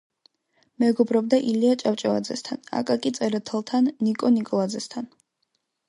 მეგობრობდა ილია ჭავჭავაძესთან, აკაკი წერეთელთან, ნიკო ნიკოლაძესთან.